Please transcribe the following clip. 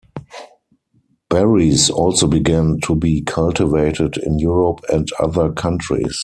Berries also began to be cultivated in Europe and other countries.